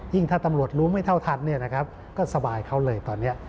ยิ่งถ้าตำรวจรู้ไม่เท่าทัดก็สบายเขาเลยตอนนี้